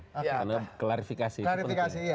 karena klarifikasi itu penting